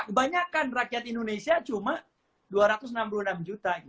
kebanyakan rakyat indonesia cuma dua ratus enam puluh enam juta